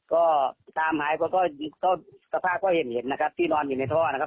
ก็ตามหายเพราะก็สภาพก็เห็นนะครับที่นอนอยู่ในท่อนะครับ